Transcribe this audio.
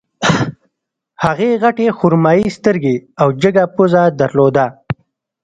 هغې غټې خرمايي سترګې او جګه پزه درلوده